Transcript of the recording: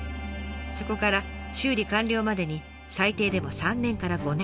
そこから修理完了までに最低でも３年から５年。